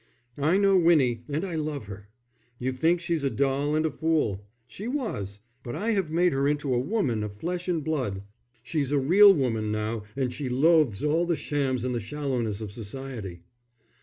"I know Winnie, and I love her. You think she's a doll and a fool. She was. But I have made her into a woman of flesh and blood. She's a real woman now and she loathes all the shams and the shallowness of Society."